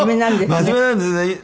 真面目なんです。